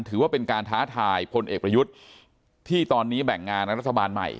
ถือว่าเป็นการท้าทายพลเอกประยุทธ์ที่ตอนนี้แบ่งงานรัฐบาลใหม่